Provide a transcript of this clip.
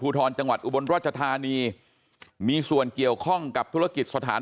ทรจังหวัดอุบลราชธานีมีส่วนเกี่ยวข้องกับธุรกิจสถาน